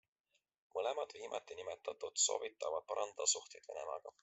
Mõlemad viimatinimetatud soovitavad parandada suhteid Venemaaga.